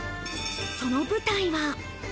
その舞台は。